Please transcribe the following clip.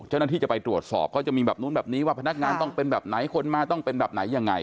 เจ้าหน้าที่จะไปตรวจสอบเขาจะมีแบบนู้นแบบนี้ว่าพนักงานต้องเป็นแบบไหนคนมาต้องเป็นแบบไหนยังไง